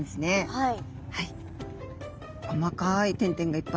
はい。